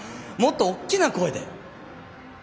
もっとおっきな声で。